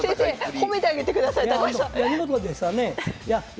褒めてあげてください高橋さん。